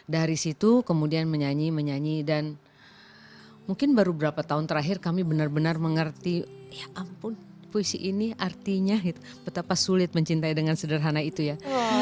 dari situ kemudian menyanyi menyanyi dan mungkin baru berapa tahun terakhir kami benar benar mengerti ya ampun puisi ini artinya betapa sulit mencintai dengan sederhana itu ya